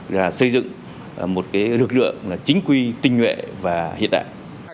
là xây dựng một lực lượng chính quy tinh nhuệ và hiện đại